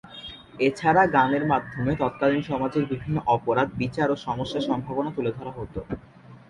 এছাড়া গানের মাধ্যমে তৎকালিন সমাজের বিভিন্ন অপরাধ, বিচার ও সমস্যা-সম্ভাবনা তুলে ধরা হতো।